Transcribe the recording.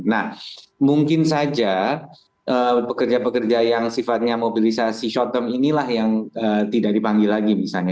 nah mungkin saja pekerja pekerja yang sifatnya mobilisasi short term inilah yang tidak dipanggil lagi misalnya